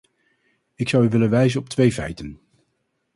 Ik zou u willen wijzen op twee feiten.